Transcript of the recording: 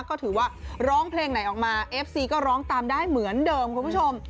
ก็ถือว่าร้องเพลงไหนออกมาเอฟซีก็ร้องตามได้เหมือนเดิมคุณผู้ชม